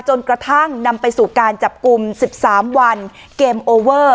จนกระทั่งนำไปสู่การจับกลุ่ม๑๓วันเกมโอเวอร์